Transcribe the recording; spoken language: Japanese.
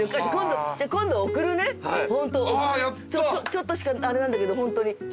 ちょっとしかあれなんだけど。